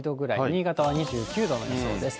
新潟は２９度の予想です。